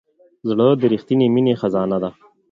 زړه د رښتینې مینې خزانه ده.